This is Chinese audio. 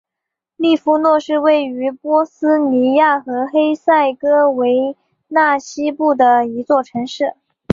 利夫诺是位于波斯尼亚和黑塞哥维纳西部的一座城市。